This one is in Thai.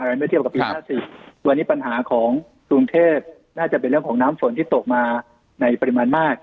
ไม่เทียบกับปี๕๐วันนี้ปัญหาของกรุงเทพน่าจะเป็นเรื่องของน้ำฝนที่ตกมาในปริมาณมาก